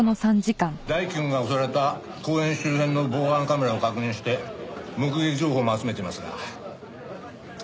大樹くんが襲われた公園周辺の防犯カメラを確認して目撃情報も集めていますが被疑者の割り出しはまだ。